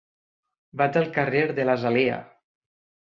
Vaig al carrer de l'Azalea.